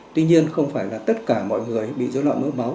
tuy nhiên không phải là tất cả mọi người bị dối loạn mỡ máu